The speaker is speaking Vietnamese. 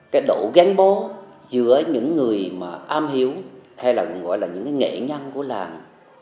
cái độ ghen bố giữa những người mà am hiếu hay là gọi là những nghệ nhân của làng